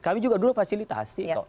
kami juga dulu fasilitasi kok